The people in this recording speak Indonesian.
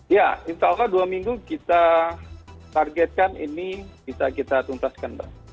ya insya allah dua minggu kita targetkan ini bisa kita tuntaskan mbak